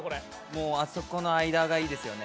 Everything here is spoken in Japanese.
もう、あそこの間がいいですよね